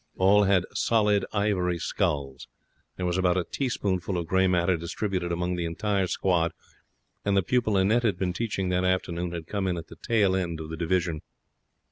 All had solid ivory skulls. There was about a teaspoonful of grey matter distributed among the entire squad, and the pupil Annette had been teaching that afternoon had come in at the tail end of the division.